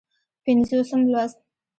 پينځوسم لوست